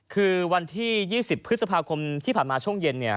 คือวันที่๒๐พฤษภาคมที่ผ่านมาช่วงเย็นเนี่ย